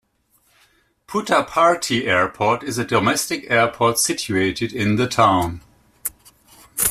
Puttaparthi Airport is a domestic airport situated in the town.